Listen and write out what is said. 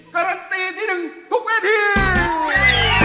การันตีที่หนึ่งทุกเวที